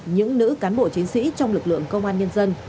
những nữ cán bộ chiến sĩ trong lực lượng công an nhân dân